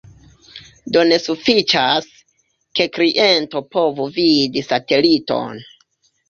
Do ne sufiĉas, ke kliento povu vidi sateliton.